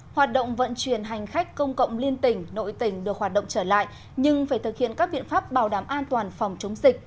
hoạt động vận chuyển hành khách công cộng liên tỉnh nội tỉnh được hoạt động trở lại nhưng phải thực hiện các biện pháp bảo đảm an toàn phòng chống dịch